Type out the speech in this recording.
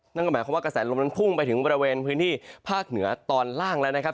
นั่นก็หมายความว่ากระแสลมนั้นพุ่งไปถึงบริเวณพื้นที่ภาคเหนือตอนล่างแล้วนะครับ